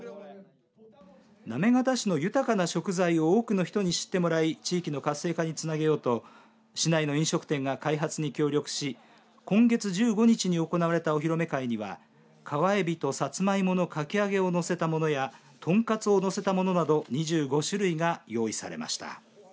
行方市の豊かな食材を多くの人に知ってもらい地域の活性化につなげようと市内の飲食店が開発に協力し今月１５日に行われたお披露目会には川えびと、さつまいものかき揚げをのせたものやとんかつをのせたものなど２５種類が用意されました。